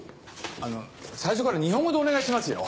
あの最初から日本語でお願いしますよ。